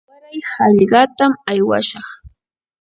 waray hallqatam aywashaq.